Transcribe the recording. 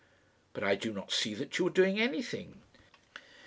"But I do not see that you are doing anything."